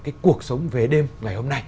cái cuộc sống về đêm ngày hôm nay